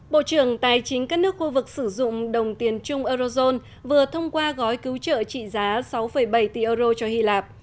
bộ trưởng tài chính các nước khu vực sử dụng đồng tiền chung eurozone vừa thông qua gói cứu trợ trị giá sáu bảy tỷ euro cho hy lạp